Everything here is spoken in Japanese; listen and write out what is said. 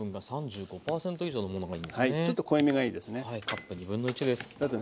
ちょっと濃いめがいいですね。